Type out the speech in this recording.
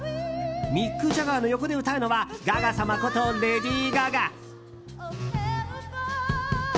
ミック・ジャガーの横で歌うのはガガ様こと、レディー・ガガ。